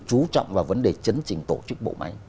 chú trọng vào vấn đề chấn trình tổ chức bộ máy